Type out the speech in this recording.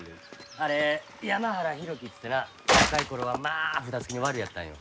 あれ山原浩喜っつってな若い頃はまあ札付きのワルやったんよ。